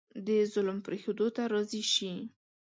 د ظلم پرېښودو ته راضي شي.